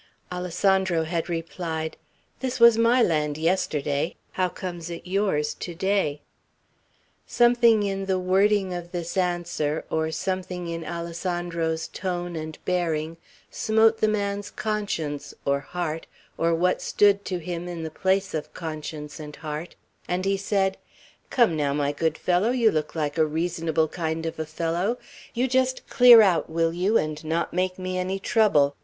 Alessandro had replied, "This was my land yesterday. How comes it yours to day?" Something in the wording of this answer, or something in Alessandro's tone and bearing, smote the man's conscience, or heart, or what stood to him in the place of conscience and heart, and he said: "Come, now, my good fellow, you look like a reasonable kind of a fellow; you just clear out, will you, and not make me any trouble.